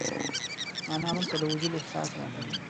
معنی موږ ته د وجود احساس راکوي.